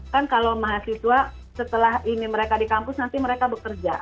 kan kalau mahasiswa setelah ini mereka di kampus nanti mereka bekerja